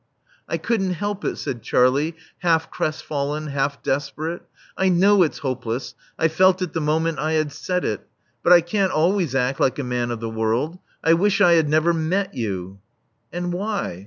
"I couldn't help it," said Charlie, half crestfallen, half desperate. "I know it's hopeless: I felt it the moment I had said it. But I can't always act like a man of the world. I wish I had never met you." "And why?